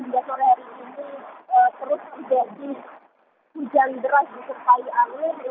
sejak pagi pagi sudah tidak ada aktivitas